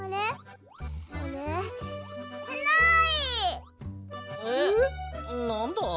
なんだ？